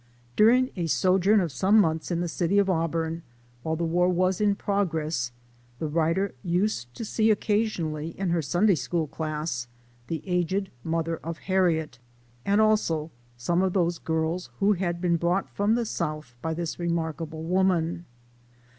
During a sojourn of some months in the city of Auburn, while the war was in progress, the writer used to see occasionally in her Sunday school class the aged mother of Harriet, and also some of those girls who had been brought from the South by this remarkable woman.